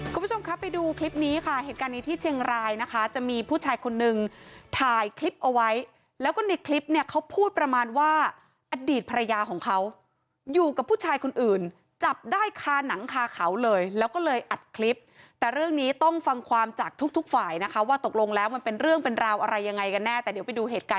คุณผู้ชมครับไปดูคลิปนี้ค่ะเหตุการณ์นี้ที่เชียงรายนะคะจะมีผู้ชายคนนึงถ่ายคลิปเอาไว้แล้วก็ในคลิปเนี่ยเขาพูดประมาณว่าอดีตภรรยาของเขาอยู่กับผู้ชายคนอื่นจับได้คาหนังคาเขาเลยแล้วก็เลยอัดคลิปแต่เรื่องนี้ต้องฟังความจากทุกฝ่ายนะคะว่าตกลงแล้วมันเป็นเรื่องเป็นราวอะไรยังไงกันแน่แต่เดี๋ยวไปดูเหตุการณ์